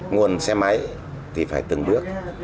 nguồn xe máy thì phải từng bước